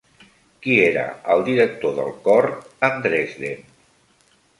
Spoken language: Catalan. Qui era el director del cor en Dresden?